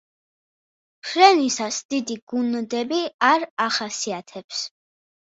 ფრენისას დიდი გუნდები არ ახასიათებს.